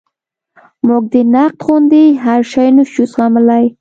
موږ د نقد غوندې هر شی نشو زغملی.